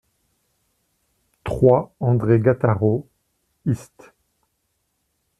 trois André Gattaro, Ist.